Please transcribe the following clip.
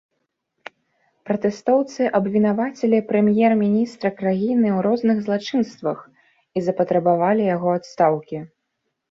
Пратэстоўцы абвінавацілі прэм'ер-міністра краіны ў розных злачынствах і запатрабавалі яго адстаўкі.